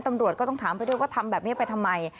ตำรวจก็ต้องถามไปด้วยว่าทำแบบนี้ไปทำไม